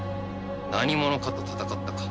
何者かと戦ったか。